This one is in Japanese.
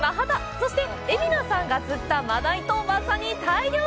そして蝦名さんが釣った真鯛とまさに大漁！